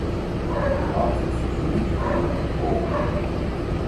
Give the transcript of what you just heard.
Artists from each team performed.